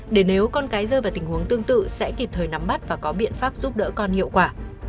để nếu con cái rơi vào tình huống tương tự sẽ kịp thời nắm bắt và có biện pháp giúp đỡ con hiệu quả